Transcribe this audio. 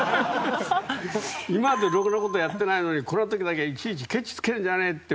今までろくなことやってないのにこの時だけ、いちいちケチつけるんじゃねえって。